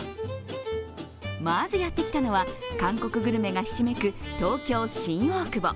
まずやってきたのは、韓国グルメがひしめく東京・新大久保。